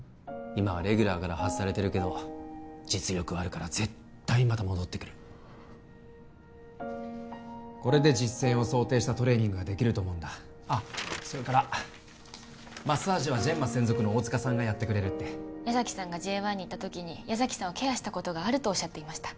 今はレギュラーから外されてるけど実力はあるから絶対また戻ってくるこれで実戦を想定したトレーニングができると思うんだそれからマッサージはジェンマ専属の大塚さんがやってくれるって矢崎さんがＪ１にいた時に矢崎さんをケアしたことがあるとおっしゃっていました